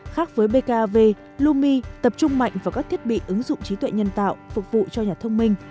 khác với bkav lumi tập trung mạnh vào các thiết bị ứng dụng trí tuệ nhân tạo phục vụ cho nhà thông minh